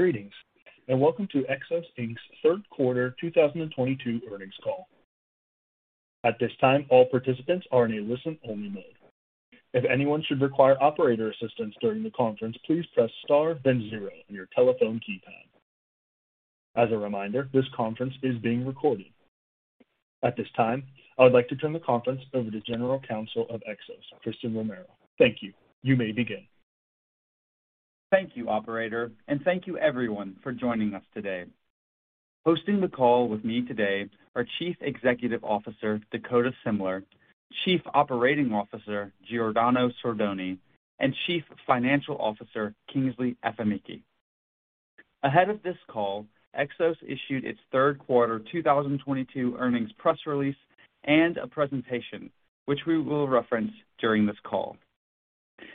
Greetings, and welcome to Xos, Inc's Third Quarter 2022 Earnings Call. At this time, all participants are in a listen-only mode. If anyone should require operator assistance during the conference, please press star then zero on your telephone keypad. As a reminder, this conference is being recorded. At this time, I would like to turn the conference over to General Counsel of Xos, Christen Romero. Thank you. You may begin. Thank you, operator, and thank you everyone for joining us today. Hosting the call with me today are Chief Executive Officer, Dakota Semler, Chief Operating Officer, Giordano Sordoni, and Chief Financial Officer, Kingsley Afemikhe. Ahead of this call, Xos issued its third quarter 2022 earnings press release and a presentation which we will reference during this call.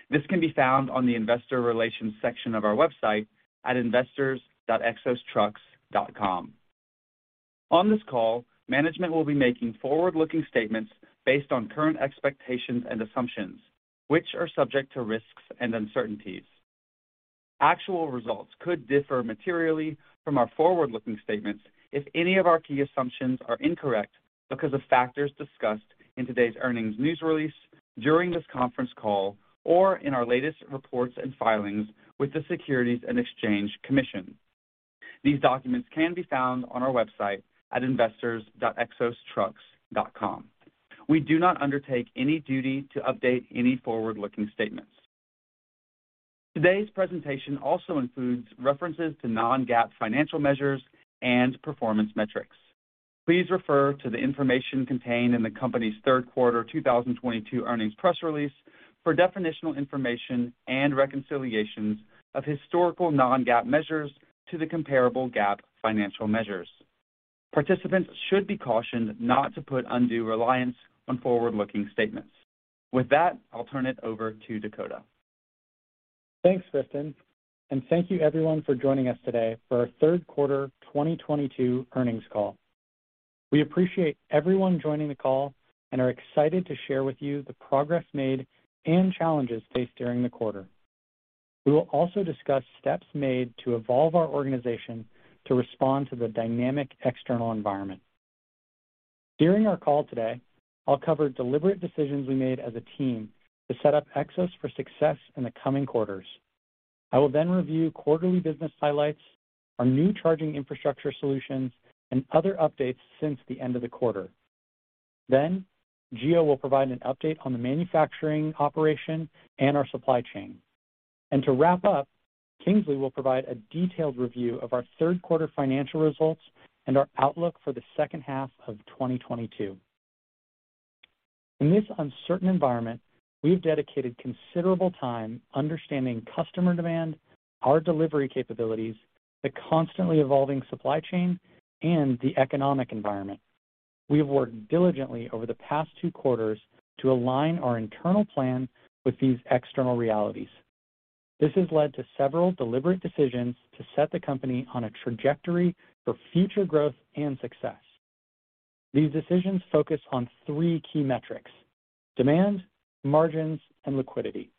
This can be found on the Investor Relations section of our website at investors.xostrucks.com. On this call, management will be making forward-looking statements based on current expectations and assumptions which are subject to risks and uncertainties. Actual results could differ materially from our forward-looking statements if any of our key assumptions are incorrect because of factors discussed in today's earnings news release, during this conference call, or in our latest reports and filings with the Securities and Exchange Commission. These documents can be found on our website at investors.xostrucks.com. We do not undertake any duty to update any forward-looking statements. Today's presentation also includes references to non-GAAP financial measures and performance metrics. Please refer to the information contained in the company's third quarter 2022 earnings press release for definitional information and reconciliations of historical non-GAAP measures to the comparable GAAP financial measures. Participants should be cautioned not to put undue reliance on forward-looking statements. With that, I'll turn it over to Dakota. Thanks, Christen, and thank you everyone for joining us today for our third quarter 2022 earnings call. We appreciate everyone joining the call and are excited to share with you the progress made and challenges faced during the quarter. We will also discuss steps made to evolve our organization to respond to the dynamic external environment. During our call today, I'll cover deliberate decisions we made as a team to set up Xos for success in the coming quarters. I will then review quarterly business highlights, our new charging infrastructure solutions, and other updates since the end of the quarter. Gio will provide an update on the manufacturing operation and our supply chain. To wrap up, Kingsley will provide a detailed review of our third quarter financial results and our outlook for the second half of 2022. In this uncertain environment, we've dedicated considerable time understanding customer demand, our delivery capabilities, the constantly evolving supply chain, and the economic environment. We have worked diligently over the past two quarters to align our internal plan with these external realities. This has led to several deliberate decisions to set the company on a trajectory for future growth and success. These decisions focus on three key metrics, demand, margins, and liquidity.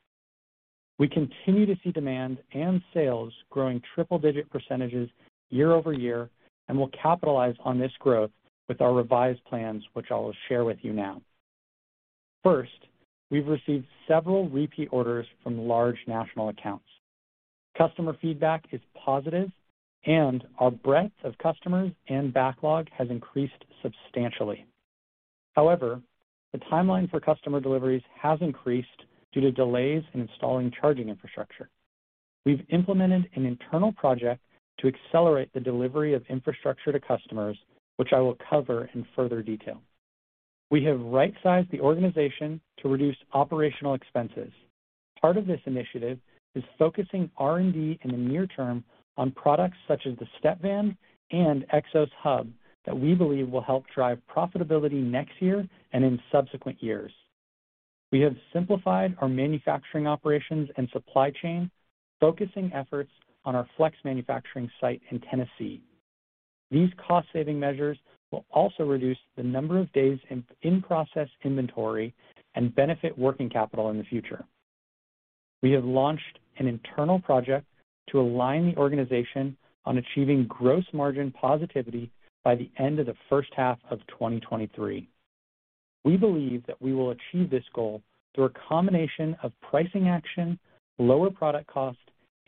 We continue to see demand and sales growing triple-digit % year-over-year, and will capitalize on this growth with our revised plans, which I will share with you now. First, we've received several repeat orders from large national accounts. Customer feedback is positive, and our breadth of customers and backlog has increased substantially. However, the timeline for customer deliveries has increased due to delays in installing charging infrastructure. We've implemented an internal project to accelerate the delivery of infrastructure to customers, which I will cover in further detail. We have right-sized the organization to reduce operational expenses. Part of this initiative is focusing R&D in the near term on products such as the Stepvan and Xos Hub that we believe will help drive profitability next year and in subsequent years. We have simplified our manufacturing operations and supply chain, focusing efforts on our flex manufacturing site in Tennessee. These cost-saving measures will also reduce the number of days in in-process inventory and benefit working capital in the future. We have launched an internal project to align the organization on achieving gross margin positivity by the end of the first half of 2023. We believe that we will achieve this goal through a combination of pricing action, lower product cost,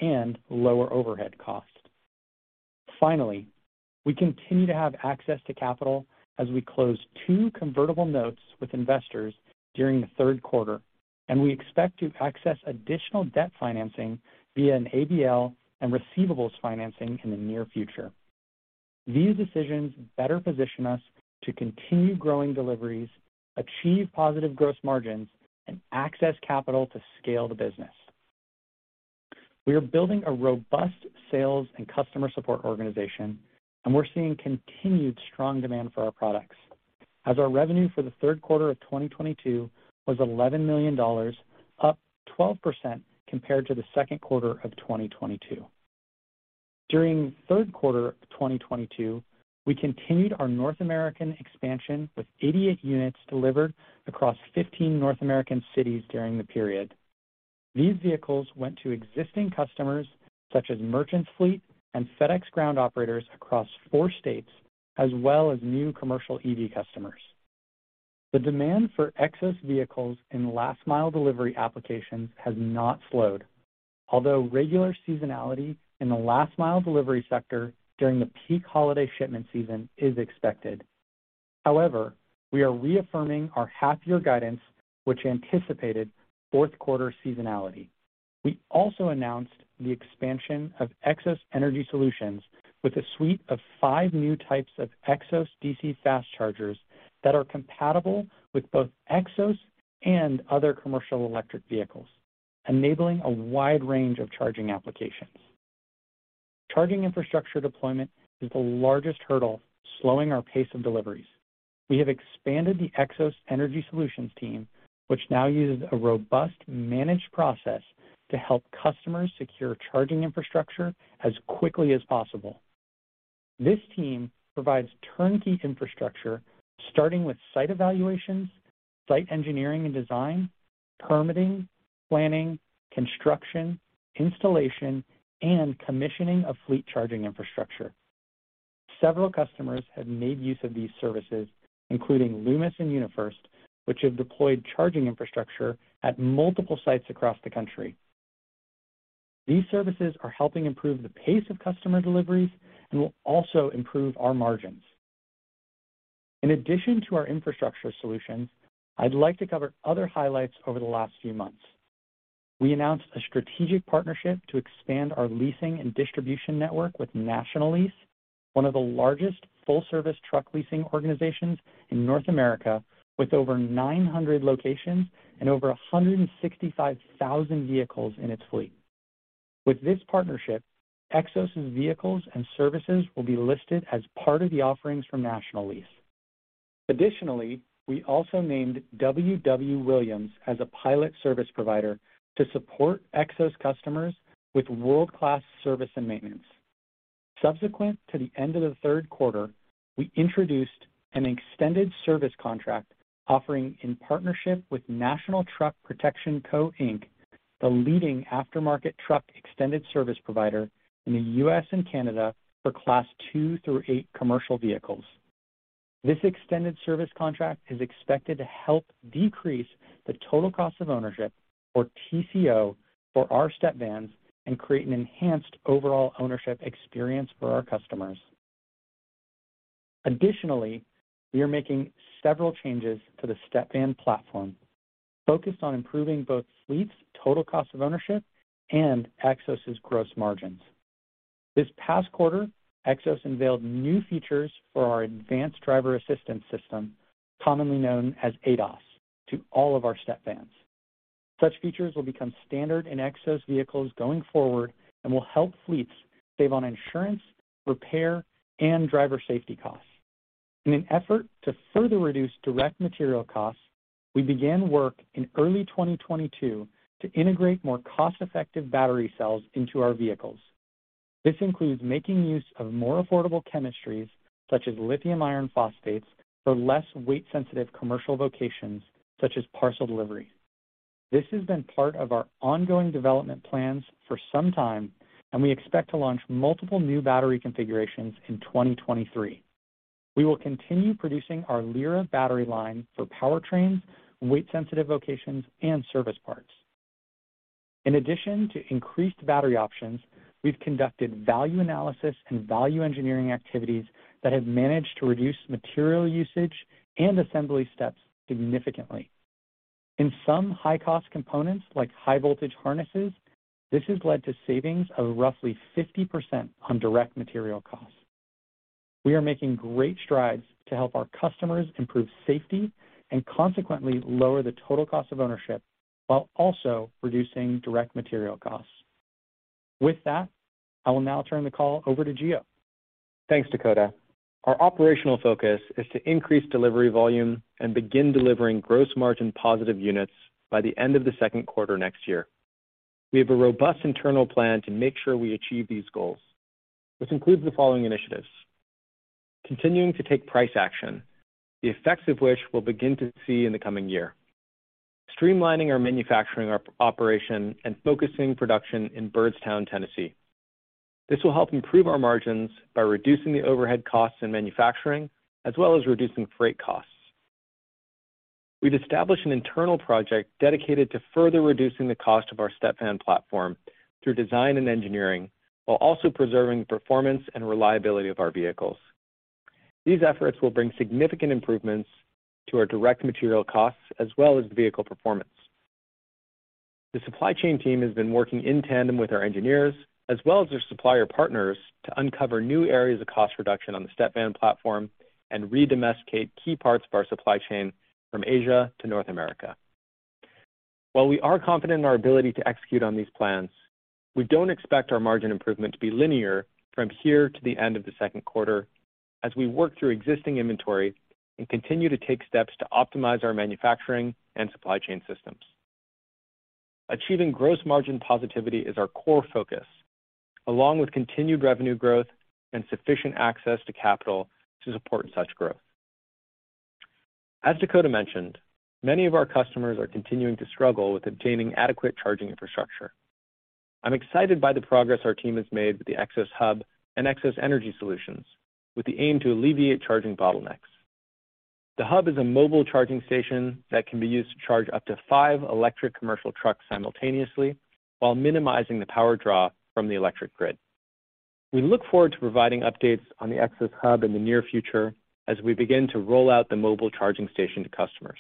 and lower overhead cost. Finally, we continue to have access to capital as we close two convertible notes with investors during the third quarter, and we expect to access additional debt financing via an ABL and receivables financing in the near future. These decisions better position us to continue growing deliveries, achieve positive gross margins, and access capital to scale the business. We are building a robust sales and customer support organization, and we're seeing continued strong demand for our products. As our revenue for the third quarter of 2022 was $11 million, up 12% compared to the second quarter of 2022. During third quarter of 2022, we continued our North American expansion with 88 units delivered across 15 North American cities during the period. These vehicles went to existing customers such as Merchants Fleet and FedEx Ground Contractors across four states, as well as new commercial EV customers. The demand for Xos vehicles in last mile delivery applications has not slowed, although regular seasonality in the last mile delivery sector during the peak holiday shipment season is expected. However, we are reaffirming our half year guidance, which anticipated fourth quarter seasonality. We also announced the expansion of Xos Energy Solutions with a suite of five new types of Xos DC Fast Chargers that are compatible with both Xos and other commercial electric vehicles, enabling a wide range of charging applications. Charging infrastructure deployment is the largest hurdle, slowing our pace of deliveries. We have expanded the Xos Energy Solutions team, which now uses a robust managed process to help customers secure charging infrastructure as quickly as possible. This team provides turnkey infrastructure, starting with site evaluations, site engineering and design, permitting, planning, construction, installation, and commissioning of fleet charging infrastructure. Several customers have made use of these services, including Loomis and UniFirst, which have deployed charging infrastructure at multiple sites across the country. These services are helping improve the pace of customer deliveries and will also improve our margins. In addition to our infrastructure solutions, I'd like to cover other highlights over the last few months. We announced a strategic partnership to expand our leasing and distribution network with NationaLease, one of the largest full-service truck leasing organizations in North America, with over 900 locations and over 165,000 vehicles in its fleet. With this partnership, Xos' vehicles and services will be listed as part of the offerings from NationaLease. Additionally, we also named W. W. Williams as a pilot service provider to support Xos customers with world-class service and maintenance. Subsequent to the end of the third quarter, we introduced an extended service contract offering in partnership with National Truck Protection Co, Inc, the leading aftermarket truck extended service provider in the U.S. and Canada for class two through eight commercial vehicles. This extended service contract is expected to help decrease the total cost of ownership, or TCO, for our step vans and create an enhanced overall ownership experience for our customers. Additionally, we are making several changes to the step van platform focused on improving both fleet's total cost of ownership and Xos' gross margins. This past quarter, Xos unveiled new features for our advanced driver assistance system, commonly known as ADAS, to all of our step vans. Such features will become standard in Xos vehicles going forward and will help fleets save on insurance, repair, and driver safety costs. In an effort to further reduce direct material costs, we began work in early 2022 to integrate more cost-effective battery cells into our vehicles. This includes making use of more affordable chemistries such as lithium iron phosphates for less weight sensitive commercial vocations such as parcel delivery. This has been part of our ongoing development plans for some time, and we expect to launch multiple new battery configurations in 2023. We will continue producing our Lyra battery line for powertrains, weight sensitive vocations, and service parts. In addition to increased battery options, we've conducted value analysis and value engineering activities that have managed to reduce material usage and assembly steps significantly. In some high-cost components, like high voltage harnesses, this has led to savings of roughly 50% on direct material costs. We are making great strides to help our customers improve safety and consequently lower the total cost of ownership while also reducing direct material costs. With that, I will now turn the call over to Gio. Thanks, Dakota. Our operational focus is to increase delivery volume and begin delivering gross margin positive units by the end of the second quarter next year. We have a robust internal plan to make sure we achieve these goals. This includes the following initiatives. Continuing to take price action, the effects of which we'll begin to see in the coming year. Streamlining our manufacturing operation and focusing production in Byrdstown, Tennessee. This will help improve our margins by reducing the overhead costs in manufacturing, as well as reducing freight costs. We've established an internal project dedicated to further reducing the cost of our step van platform through design and engineering, while also preserving the performance and reliability of our vehicles. These efforts will bring significant improvements to our direct material costs as well as the vehicle performance. The supply chain team has been working in tandem with our engineers as well as their supplier partners to uncover new areas of cost reduction on the step van platform and redomesticate key parts of our supply chain from Asia to North America. While we are confident in our ability to execute on these plans, we don't expect our margin improvement to be linear from here to the end of the second quarter as we work through existing inventory and continue to take steps to optimize our manufacturing and supply chain systems. Achieving gross margin positivity is our core focus, along with continued revenue growth and sufficient access to capital to support such growth. As Dakota mentioned, many of our customers are continuing to struggle with obtaining adequate charging infrastructure. I'm excited by the progress our team has made with the Xos Hub and Xos Energy Solutions, with the aim to alleviate charging bottlenecks. The hub is a mobile charging station that can be used to charge up to five electric commercial trucks simultaneously while minimizing the power draw from the electric grid. We look forward to providing updates on the Xos Hub in the near future as we begin to roll out the mobile charging station to customers.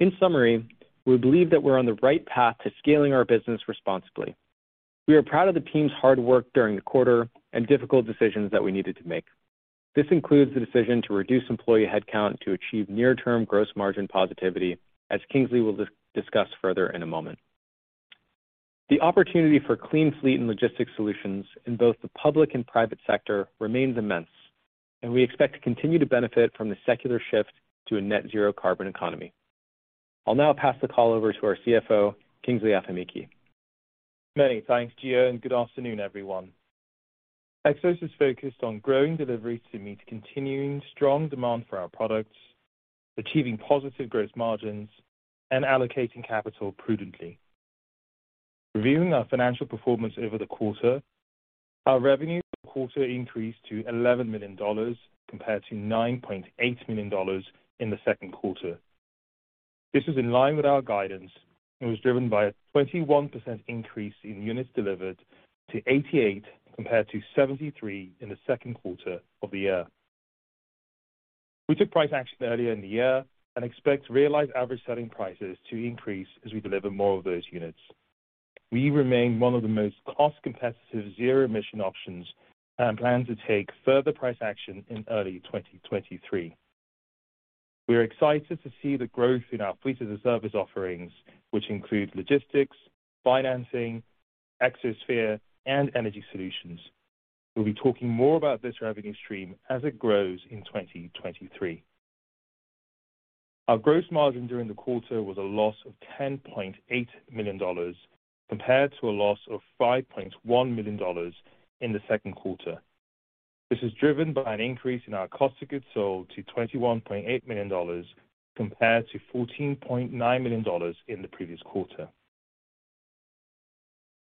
In summary, we believe that we're on the right path to scaling our business responsibly. We are proud of the team's hard work during the quarter and difficult decisions that we needed to make. This includes the decision to reduce employee headcount to achieve near-term gross margin positivity, as Kingsley will discuss further in a moment. The opportunity for clean fleet and logistics solutions in both the public and private sector remains immense, and we expect to continue to benefit from the secular shift to a net zero carbon economy. I'll now pass the call over to our CFO, Kingsley Afemikhe. Many thanks, Gio, and good afternoon, everyone. Xos is focused on growing deliveries to meet continuing strong demand for our products, achieving positive gross margins, and allocating capital prudently. Reviewing our financial performance over the quarter, our revenue for the quarter increased to $11 million compared to $9.8 million in the second quarter. This is in line with our guidance and was driven by a 21% increase in units delivered to 88 compared to 73 in the second quarter of the year. We took price action earlier in the year and expect to realize average selling prices to increase as we deliver more of those units. We remain one of the most cost-competitive zero emission options and plan to take further price action in early 2023. We are excited to see the growth in our Fleet as a Service offerings, which include logistics, financing, Xosphere, and energy solutions. We'll be talking more about this revenue stream as it grows in 2023. Our gross margin during the quarter was a loss of $10.8 million compared to a loss of $5.1 million in the second quarter. This is driven by an increase in our cost of goods sold to $21.8 million compared to $14.9 million in the previous quarter.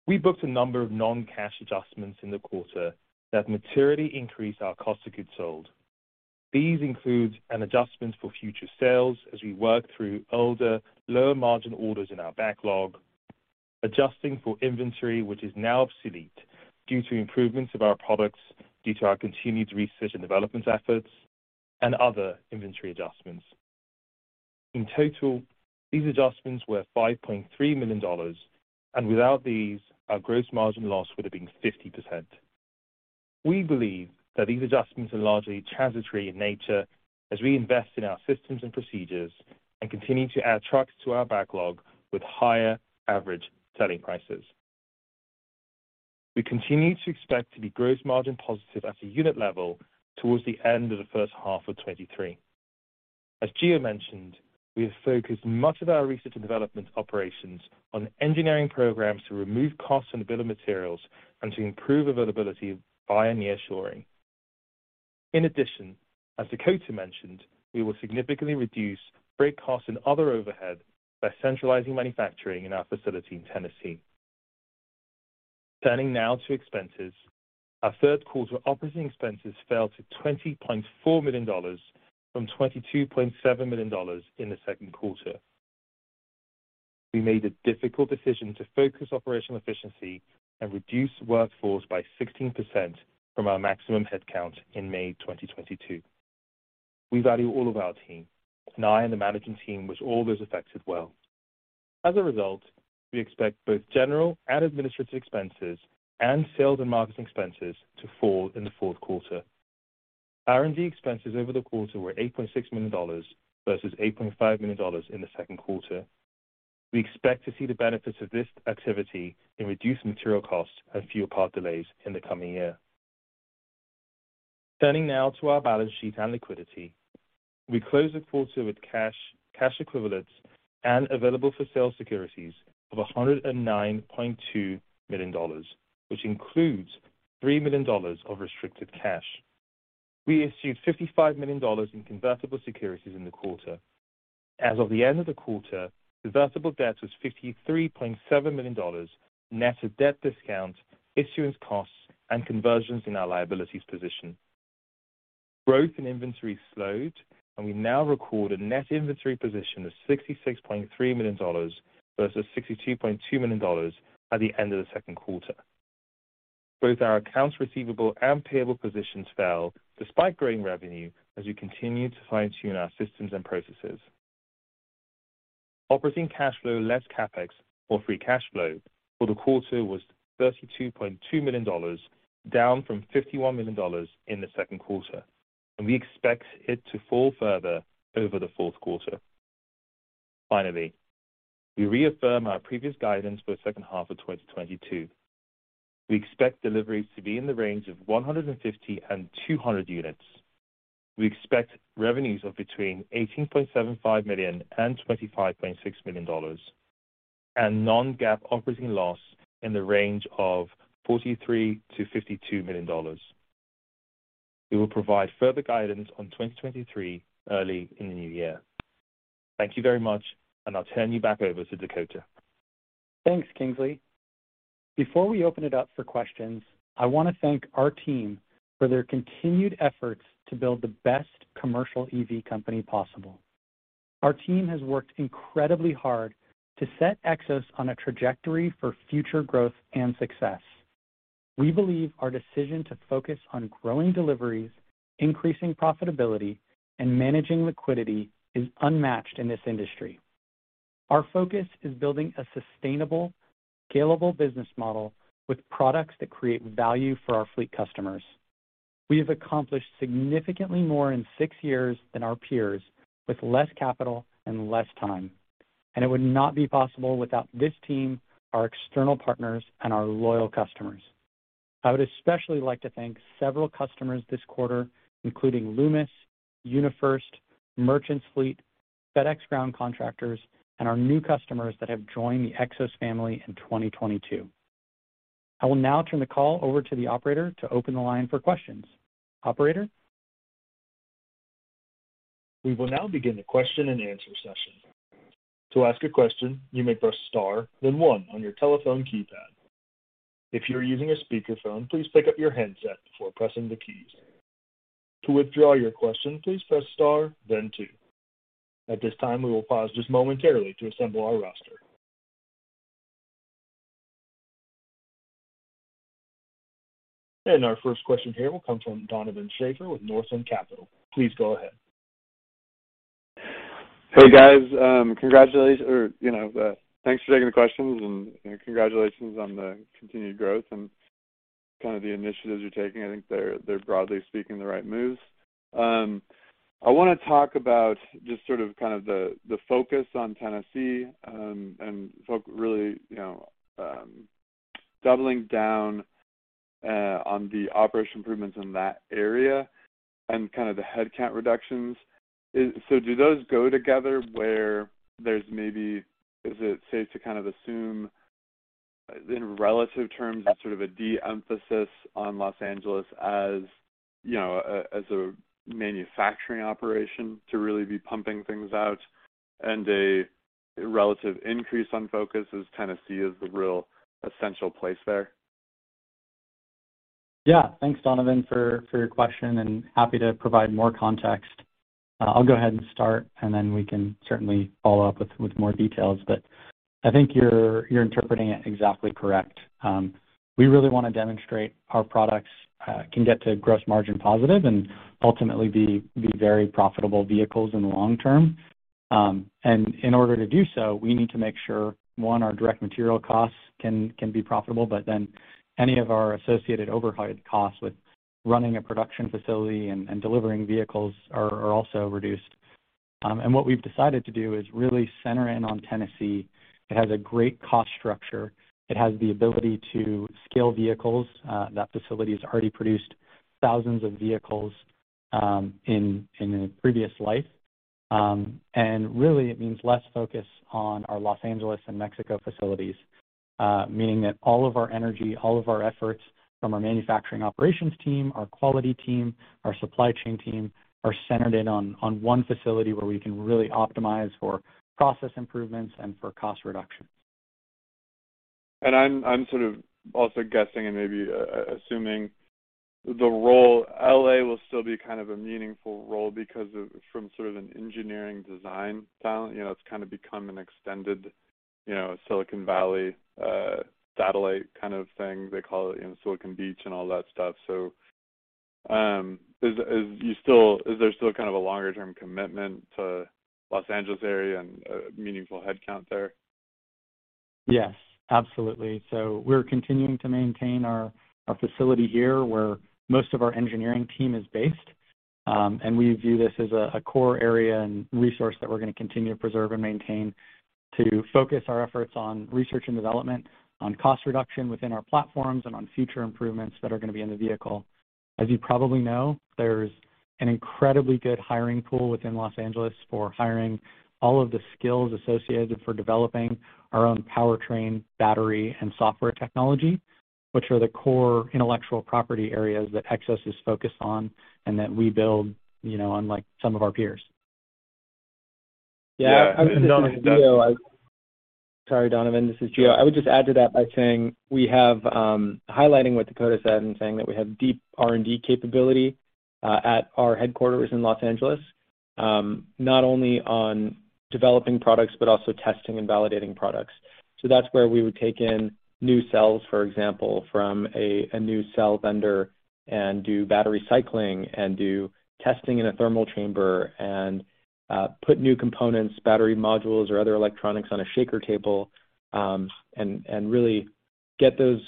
We booked a number of non-cash adjustments in the quarter that materially increased our cost of goods sold. These include an adjustment for future sales as we work through older, lower margin orders in our backlog, adjusting for inventory, which is now obsolete due to improvements of our products due to our continued research and development efforts, and other inventory adjustments. In total, these adjustments were $5.3 million, and without these, our gross margin loss would have been 50%. We believe that these adjustments are largely transitory in nature as we invest in our systems and procedures and continue to add trucks to our backlog with higher average selling prices. We continue to expect to be gross margin positive at a unit level towards the end of the first half of 2023. As Gio mentioned, we have focused much of our research and development operations on engineering programs to remove costs and bill of materials and to improve availability via nearshoring. In addition, as Dakota mentioned, we will significantly reduce freight costs and other overhead by centralizing manufacturing in our facility in Tennessee. Turning now to expenses. Our third quarter operating expenses fell to $20.4 million from $22.7 million in the second quarter. We made a difficult decision to focus operational efficiency and reduce workforce by 16% from our maximum headcount in May 2022. We value all of our team, and I and the managing team wish all those affected well. As a result, we expect both general and administrative expenses and sales and marketing expenses to fall in the fourth quarter. R&D expenses over the quarter were $8.6 million versus $8.5 million in the second quarter. We expect to see the benefits of this activity in reduced material costs and fewer part delays in the coming year. Turning now to our balance sheet and liquidity. We closed the quarter with cash equivalents, and available for sale securities of $109.2 million, which includes $3 million of restricted cash. We issued $55 million in convertible securities in the quarter. As of the end of the quarter, convertible debt was $53.7 million, net of debt discount, issuance costs, and conversions in our liabilities position. Growth in inventory slowed, and we now record a net inventory position of $66.3 million versus $62.2 million at the end of the second quarter. Both our accounts receivable and payable positions fell despite growing revenue as we continue to fine-tune our systems and processes. Operating cash flow less CapEx or Free Cash Flow for the quarter was $32.2 million, down from $51 million in the second quarter. We expect it to fall further over the fourth quarter. Finally, we reaffirm our previous guidance for the second half of 2022. We expect deliveries to be in the range of 150-200 units. We expect revenues of between $18.75 million and $25.6 million. non-GAAP operating loss in the range of $43 million-$52 million. We will provide further guidance on 2023 early in the new year. Thank you very much, and I'll turn you back over to Dakota. Thanks, Kingsley. Before we open it up for questions, I want to thank our team for their continued efforts to build the best commercial EV company possible. Our team has worked incredibly hard to set Xos on a trajectory for future growth and success. We believe our decision to focus on growing deliveries, increasing profitability, and managing liquidity is unmatched in this industry. Our focus is building a sustainable, scalable business model with products that create value for our fleet customers. We have accomplished significantly more in six years than our peers with less capital and less time, and it would not be possible without this team, our external partners, and our loyal customers. I would especially like to thank several customers this quarter, including Loomis, UniFirst, Merchants Fleet, FedEx Ground Contractors, and our new customers that have joined the Xos family in 2022. I will now turn the call over to the operator to open the line for questions. Operator? We will now begin the question and answer session. To ask a question, you may press star then one on your telephone keypad. If you are using a speakerphone, please pick up your handset before pressing the keys. To withdraw your question, please press star then two. At this time, we will pause just momentarily to assemble our roster. Our first question here will come from Donovan Schafer with Northland Capital Markets. Please go ahead. Hey, guys. Congratulations or, you know, thanks for taking the questions, and, you know, congratulations on the continued growth and kind of the initiatives you're taking. I think they're broadly speaking the right moves. I wanna talk about just sort of, kind of the focus on Tennessee, and folks really, you know, doubling down on the operational improvements in that area and kind of the headcount reductions. So do those go together where there's maybe, is it safe to kind of assume in relative terms that sort of a de-emphasis on Los Angeles as, you know, a manufacturing operation to really be pumping things out and a relative increase in focus as Tennessee is the real essential place there? Yeah. Thanks, Donovan, for your question, and happy to provide more context. I'll go ahead and start, and then we can certainly follow up with more details. I think you're interpreting it exactly correct. We really wanna demonstrate our products can get to gross margin positive and ultimately be very profitable vehicles in the long term. In order to do so, we need to make sure, one, our direct material costs can be profitable, but then any of our associated overhead costs with running a production facility and delivering vehicles are also reduced. What we've decided to do is really center in on Tennessee. It has a great cost structure. It has the ability to scale vehicles. That facility has already produced thousands of vehicles in a previous life. Really, it means less focus on our Los Angeles and Mexico facilities, meaning that all of our energy, all of our efforts from our manufacturing operations team, our quality team, our supply chain team, are centered on one facility where we can really optimize for process improvements and for cost reductions. I'm sort of also guessing and maybe assuming the role, L.A. will still be kind of a meaningful role because from sort of an engineering design talent. You know, it's kinda become an extended, you know, Silicon Valley satellite kind of thing. They call it, you know, Silicon Beach and all that stuff. Is there still kind of a longer term commitment to Los Angeles area and a meaningful head count there? Yes, absolutely. We're continuing to maintain our facility here where most of our engineering team is based. We view this as a core area and resource that we're gonna continue to preserve and maintain to focus our efforts on research and development, on cost reduction within our platforms, and on future improvements that are gonna be in the vehicle. As you probably know, there's an incredibly good hiring pool within Los Angeles for hiring all of the skills associated with developing our own powertrain, battery, and software technology, which are the core intellectual property areas that Xos is focused on and that we build, you know, unlike some of our peers. Yeah. Donovan, that's- Yeah. This is Gio. Sorry, Donovan, this is Gio. I would just add to that by saying we have highlighting what Dakota said and saying that we have deep R&D capability at our headquarters in Los Angeles, not only on developing products, but also testing and validating products. That's where we would take in new cells, for example, from a new cell vendor and do battery cycling and do testing in a thermal chamber and put new components, battery modules, or other electronics on a shaker table and really get those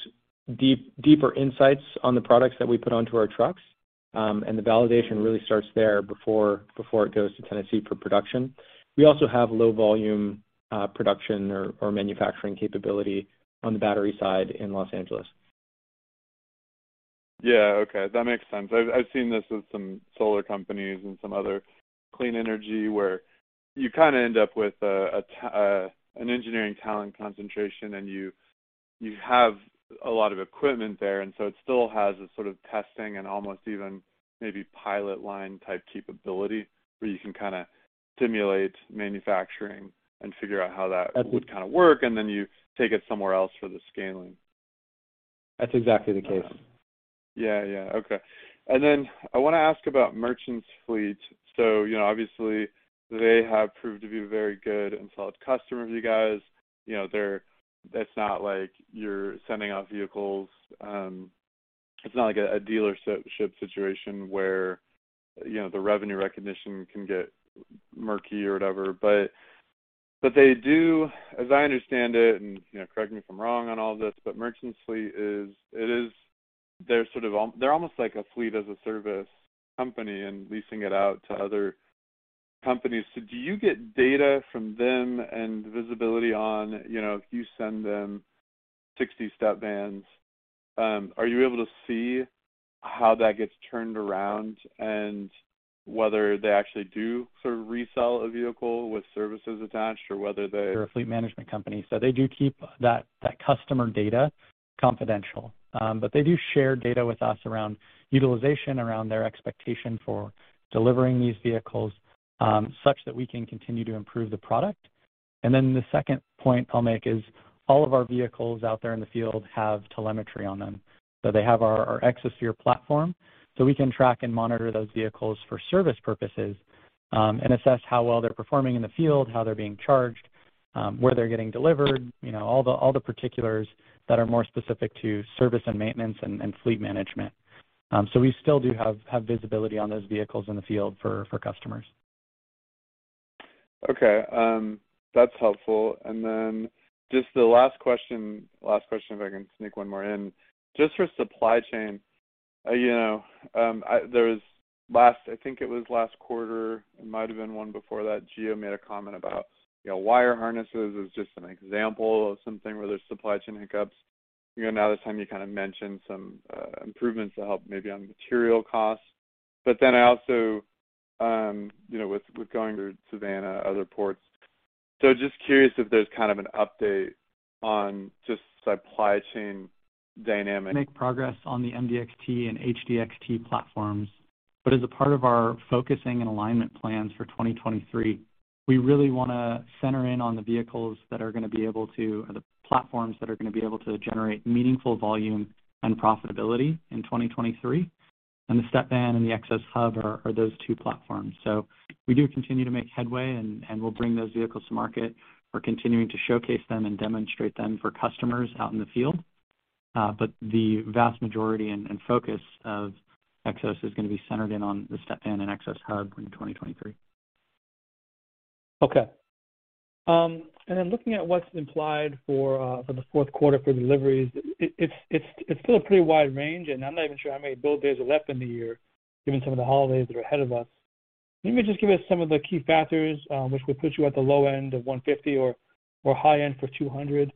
deeper insights on the products that we put onto our trucks. The validation really starts there before it goes to Tennessee for production. We also have low volume production or manufacturing capability on the battery side in Los Angeles. Yeah. Okay, that makes sense. I've seen this with some solar companies and some other clean energy where you kinda end up with an engineering talent concentration, and you have a lot of equipment there. It still has a sort of testing and almost even maybe pilot line type capability where you can kinda simulate manufacturing and figure out how that would kinda work, and then you take it somewhere else for the scaling. That's exactly the case. Yeah. Yeah. Okay. I wanna ask about Merchants Fleet. You know, obviously they have proved to be a very good and solid customer of you guys. You know, they're. It's not like you're sending out vehicles. It's not like a dealership situation where, you know, the revenue recognition can get murky or whatever. They do, as I understand it, and, you know, correct me if I'm wrong on all this, but Merchants Fleet is. They're sort of, they're almost like a fleet as a service company and leasing it out to other companies. Do you get data from them and visibility on, you know, if you send them 60 Stepvans, are you able to see how that gets turned around and whether they actually do sort of resell a vehicle with services attached, or whether they. They're a fleet management company, so they do keep that customer data confidential. But they do share data with us around utilization, around their expectation for delivering these vehicles, such that we can continue to improve the product. The second point I'll make is all of our vehicles out there in the field have telemetry on them. So they have our Xosphere platform, so we can track and monitor those vehicles for service purposes, and assess how well they're performing in the field, how they're being charged, where they're getting delivered, you know, all the particulars that are more specific to service and maintenance and fleet management. We still do have visibility on those vehicles in the field for customers. Okay. That's helpful. Just the last question, if I can sneak one more in. Just for supply chain, you know, there was, I think it was last quarter, it might have been one before that, Gio made a comment about, you know, wire harnesses as just an example of something where there's supply chain hiccups. You know, now this time you kind of mentioned some improvements to help maybe on material costs. I also, you know, with going through Savannah, other ports. Just curious if there's kind of an update on just supply chain dynamics. Make progress on the MDXT and HDXT platforms. As a part of our focusing and alignment plans for 2023, we really wanna center in on the platforms that are gonna be able to generate meaningful volume and profitability in 2023. The Step Van and the Xos Hub are those two platforms. We do continue to make headway, and we'll bring those vehicles to market. We're continuing to showcase them and demonstrate them for customers out in the field. The vast majority and focus of Xos is gonna be centered in on the Step Van and Xos Hub in 2023. Okay. Looking at what's implied for the fourth quarter for deliveries, it's still a pretty wide range, and I'm not even sure how many build days are left in the year given some of the holidays that are ahead of us. Can you just give us some of the key factors which would put you at the low end of 150 or high end for 200?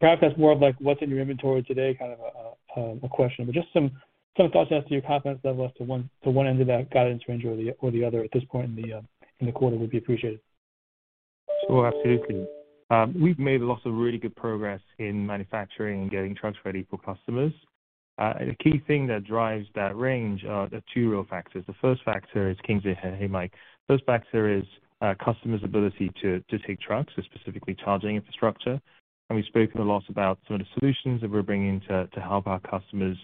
Perhaps that's more of like what's in your inventory today kind of a question. Just some thoughts as to your confidence level as to one end of that guidance range or the other at this point in the quarter would be appreciated. Sure. Absolutely. We've made lots of really good progress in manufacturing and getting trucks ready for customers. The key thing that drives that range are the two real factors. The first factor is, Kingsley. Hey, Mike. Customers' ability to take trucks. Specifically charging infrastructure. We've spoken a lot about some of the solutions that we're bringing to help our customers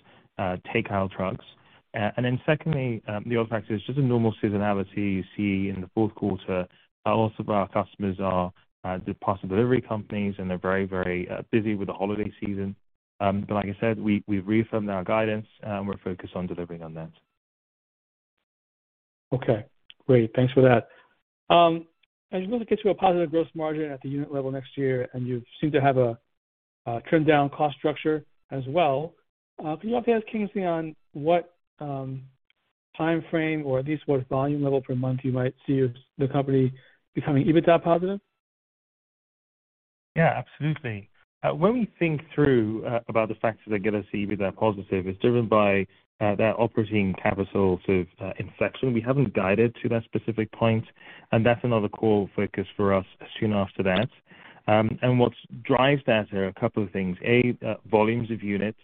take our trucks. Then secondly, the other factor is just a normal seasonality you see in the fourth quarter. A lot of our customers are parcel delivery companies, and they're very busy with the holiday season. Like I said, we've reaffirmed our guidance, and we're focused on delivering on that. Okay. Great. Thanks for that. As you look to get to a positive gross margin at the unit level next year, and you seem to have a trimmed down cost structure as well, can you update us, Kingsley, on what time frame or at least what volume level per month you might see the company becoming EBITDA positive? Yeah, absolutely. When we think about the factors that get us EBITDA positive, it's driven by that operating capital sort of inflection. We haven't guided to that specific point, and that's another core focus for us soon after that. What drives that are a couple of things. A, volumes of units,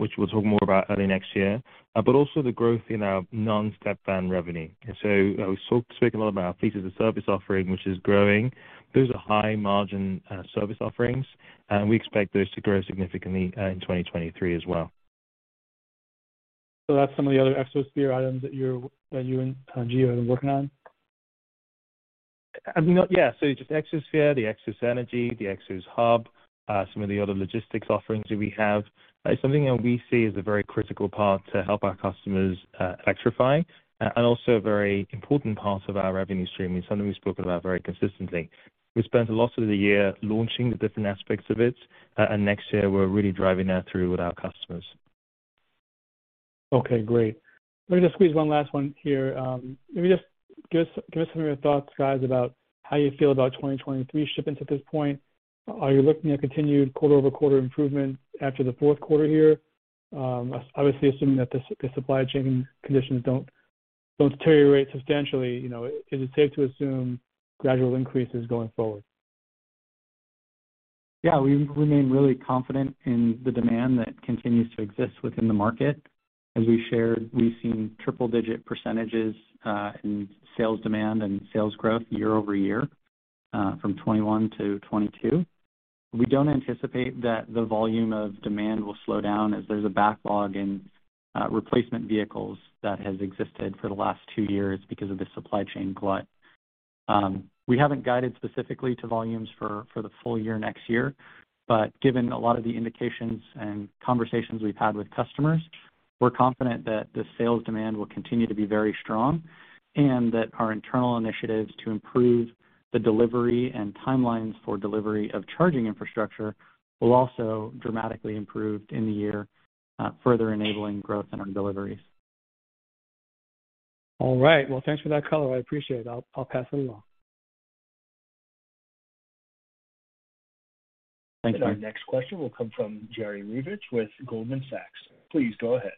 which we'll talk more about early next year. Also the growth in our non-Stepvan revenue. We speak a lot about our Fleet as a Service offering, which is growing. Those are high margin service offerings, and we expect those to grow significantly in 2023 as well. That's some of the other Xosphere items that you and Gio have been working on? I mean, yeah. Just Xosphere, the Xos Energy, the Xos Hub, some of the other logistics offerings that we have. It's something that we see as a very critical part to help our customers electrify, and also a very important part of our revenue stream. It's something we've spoken about very consistently. We spent a lot of the year launching the different aspects of it, and next year we're really driving that through with our customers. Okay, great. Let me just squeeze one last one here. Let me just give us some of your thoughts, guys, about how you feel about 2023 shipments at this point. Are you looking at continued quarter-over-quarter improvement after the fourth quarter here? Obviously assuming that the supply chain conditions don't deteriorate substantially. You know, is it safe to assume gradual increases going forward? Yeah, we remain really confident in the demand that continues to exist within the market. As we shared, we've seen triple-digit percentages in sales demand and sales growth year-over-year from 2021 to 2022. We don't anticipate that the volume of demand will slow down as there's a backlog in replacement vehicles that has existed for the last two years because of the supply chain glut. We haven't guided specifically to volumes for the full year next year. But given a lot of the indications and conversations we've had with customers, we're confident that the sales demand will continue to be very strong and that our internal initiatives to improve the delivery and timelines for delivery of charging infrastructure will also dramatically improve in the year, further enabling growth in our deliveries. All right. Well, thanks for that color. I appreciate it. I'll pass it along. Thank you. Our next question will come from Jerry Revich with Goldman Sachs. Please go ahead.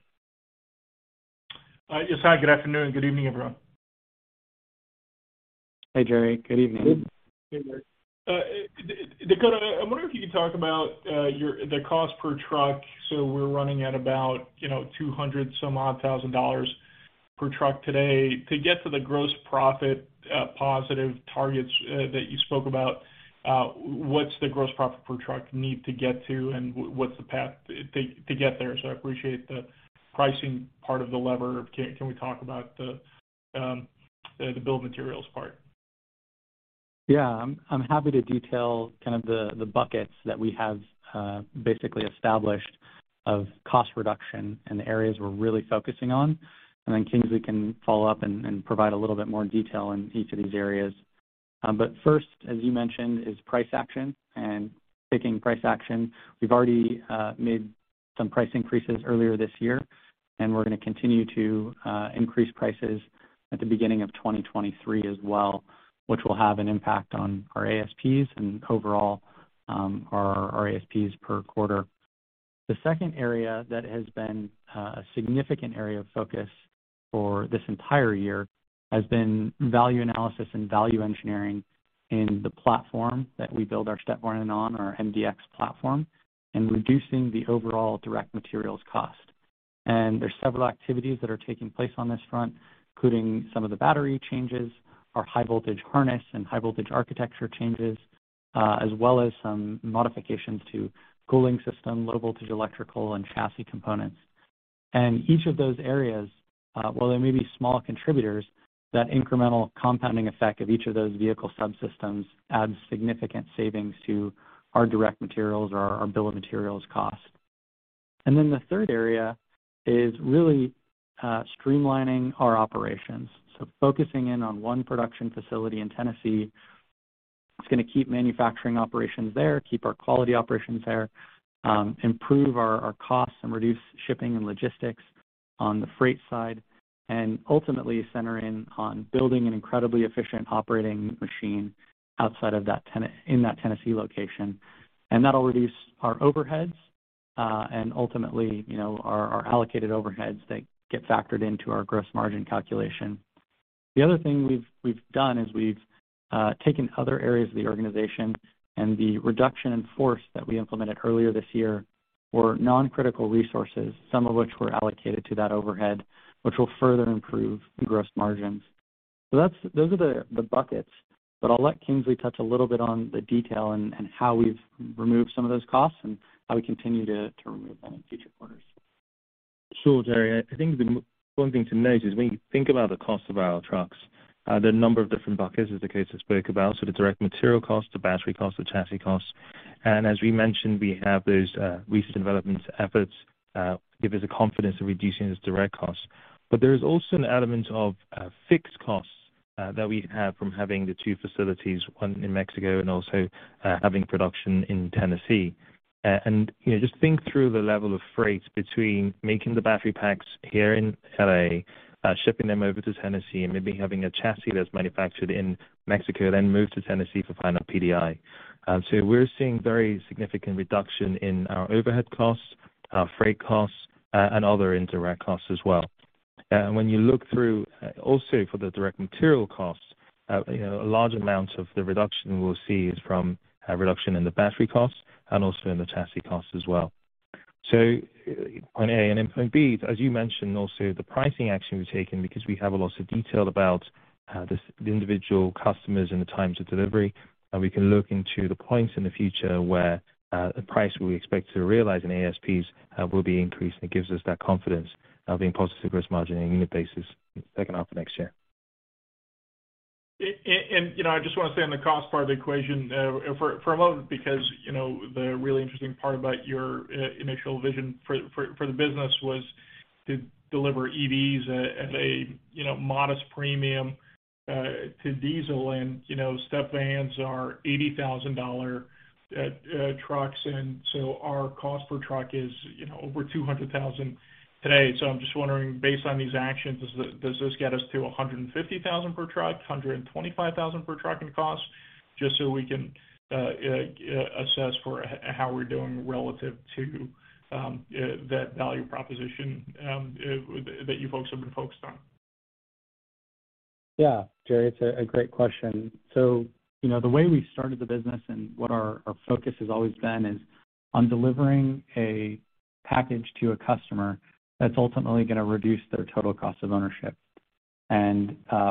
Yes, hi, good afternoon. Good evening, everyone. Hey, Jerry. Good evening. Hey there. Dakota, I wonder if you could talk about your the cost per truck. We're running at about, you know, $200,000 per truck today. To get to the gross profit positive targets that you spoke about, what's the gross profit per truck need to get to, and what's the path to get there? I appreciate the pricing part of the lever. Can we talk about the bill of materials part? Yeah. I'm happy to detail kind of the buckets that we have basically established of cost reduction and the areas we're really focusing on, and then Kingsley can follow up and provide a little bit more detail in each of these areas. First, as you mentioned, is price action and taking price action. We've already made some price increases earlier this year, and we're gonna continue to increase prices at the beginning of 2023 as well, which will have an impact on our ASPs and overall, our ASPs per quarter. The second area that has been a significant area of focus for this entire year has been value analysis and value engineering in the platform that we build our Stepvan and on our MDXT platform and reducing the overall direct materials cost. There's several activities that are taking place on this front, including some of the battery changes, our high voltage harness and high voltage architecture changes, as well as some modifications to cooling system, low voltage electrical and chassis components. Each of those areas, while they may be small contributors, that incremental compounding effect of each of those vehicle subsystems adds significant savings to our direct materials or our bill of materials cost. The third area is really streamlining our operations. Focusing in on one production facility in Tennessee, it's gonna keep manufacturing operations there, keep our quality operations there, improve our costs and reduce shipping and logistics on the freight side, and ultimately center in on building an incredibly efficient operating machine in that Tennessee location. That'll reduce our overheads and ultimately, you know, our allocated overheads that get factored into our gross margin calculation. The other thing we've done is we've taken other areas of the organization and the reduction in force that we implemented earlier this year were non-critical resources, some of which were allocated to that overhead, which will further improve gross margins. Those are the buckets, but I'll let Kingsley touch a little bit on the detail and how we've removed some of those costs and how we continue to remove them in future quarters. Sure, Jerry. I think one thing to note is when you think about the cost of our trucks, there are a number of different buckets as Dakota spoke about. The direct material cost, the battery cost, the chassis cost. As we mentioned, we have those recent development efforts give us the confidence of reducing this direct cost. There is also an element of fixed costs that we have from having the two facilities, one in Mexico and also having production in Tennessee. You know, just think through the level of freight between making the battery packs here in L.A., shipping them over to Tennessee and maybe having a chassis that's manufactured in Mexico, then moved to Tennessee for final PDI. We're seeing very significant reduction in our overhead costs, our freight costs, and other indirect costs as well. When you look through also for the direct material costs, you know, a large amount of the reduction we'll see is from a reduction in the battery costs and also in the chassis costs as well. Point A and then point B, as you mentioned also the pricing action we've taken because we have a lot of detail about, this, the individual customers and the times of delivery, and we can look into the points in the future where, the price we expect to realize in ASPs, will be increased, and it gives us that confidence of being positive gross margin on a unit basis second half of next year. You know, I just want to stay on the cost part of the equation for a moment because you know, the really interesting part about your initial vision for the business was to deliver EVs at a you know, modest premium to diesel. You know, step vans are $80,000 trucks, and so our cost per truck is you know, over $200,000 today. I'm just wondering, based on these actions, does this get us to $150,000 per truck, $125,000 per trucking cost? Just so we can assess how we're doing relative to that value proposition that you folks have been focused on. Yeah, Jerry, it's a great question. So, you know, the way we started the business and what our focus has always been is on delivering a package to a customer that's ultimately gonna reduce their total cost of ownership.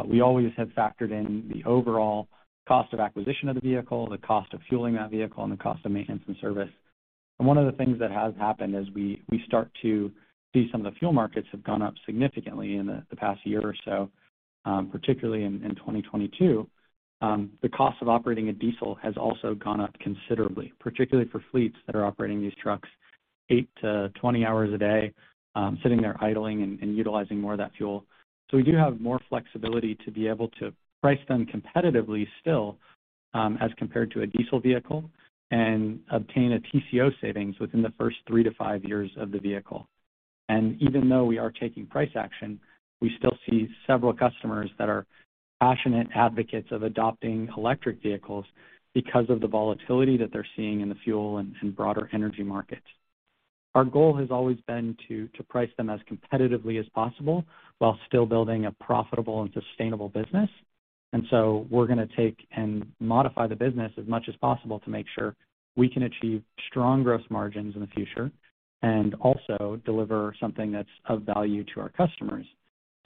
We always have factored in the overall cost of acquisition of the vehicle, the cost of fueling that vehicle, and the cost of maintenance and service. One of the things that has happened as we start to see some of the fuel markets have gone up significantly in the past year or so, particularly in 2022, the cost of operating a diesel has also gone up considerably, particularly for fleets that are operating these trucks 8-20 hours a day, sitting there idling and utilizing more of that fuel. We do have more flexibility to be able to price them competitively still, as compared to a diesel vehicle and obtain a TCO savings within the first 3-5 years of the vehicle. Even though we are taking price action, we still see several customers that are passionate advocates of adopting electric vehicles because of the volatility that they're seeing in the fuel and broader energy markets. Our goal has always been to price them as competitively as possible while still building a profitable and sustainable business. We're gonna take and modify the business as much as possible to make sure we can achieve strong gross margins in the future and also deliver something that's of value to our customers.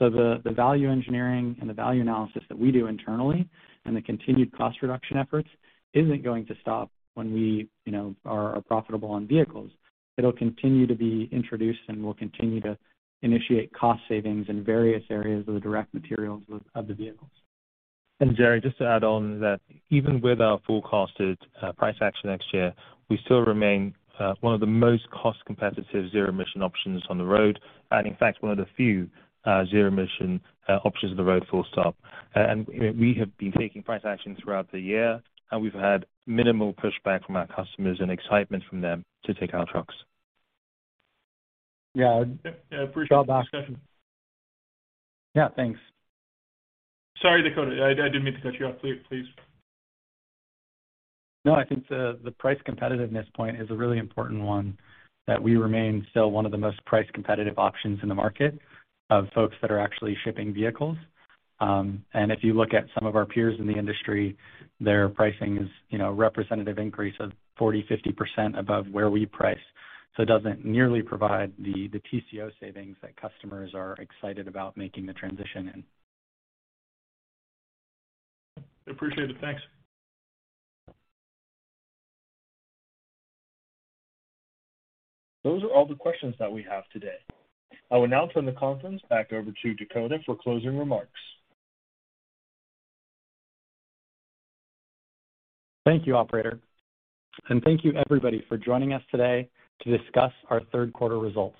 The value engineering and the value analysis that we do internally and the continued cost reduction efforts isn't going to stop when we, you know, are profitable on vehicles. It'll continue to be introduced, and we'll continue to initiate cost savings in various areas of the direct materials of the vehicles. Jerry, just to add on that even with our forecasted price action next year, we still remain one of the most cost-competitive zero-emission options on the road, and in fact, one of the few zero-emission options on the road, full stop. We have been taking price action throughout the year, and we've had minimal pushback from our customers and excitement from them to take our trucks. Yeah. Yep. I appreciate the discussion. Yeah, thanks. Sorry, Dakota. I didn't mean to cut you off. Please. No, I think the price competitiveness point is a really important one, that we remain still one of the most price competitive options in the market of folks that are actually shipping vehicles. If you look at some of our peers in the industry, their pricing is, you know, a representative increase of 40%-50% above where we price. It doesn't nearly provide the TCO savings that customers are excited about making the transition in. Appreciate it. Thanks. Those are all the questions that we have today. I will now turn the conference back over to Dakota for closing remarks. Thank you, operator, and thank you everybody for joining us today to discuss our third quarter results.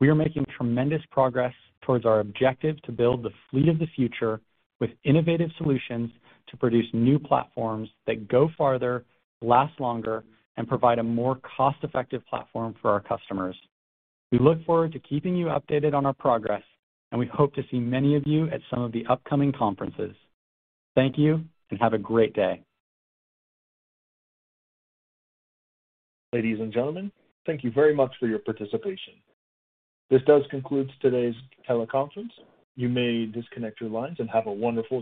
We are making tremendous progress towards our objective to build the fleet of the future with innovative solutions to produce new platforms that go farther, last longer, and provide a more cost-effective platform for our customers. We look forward to keeping you updated on our progress, and we hope to see many of you at some of the upcoming conferences. Thank you, and have a great day. Ladies and gentlemen, thank you very much for your participation. This does conclude today's teleconference. You may disconnect your lines and have a wonderful day.